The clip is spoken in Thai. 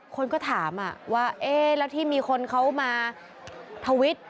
คนก็ถามแล้วที่มีคนเขามาทวิต